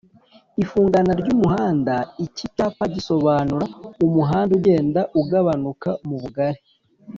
Ifungana ry'umuhanda Iki cyapa gisobanura umuhanda ugenda ugabanuka mu bugari